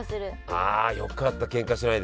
あよかったけんかしないで。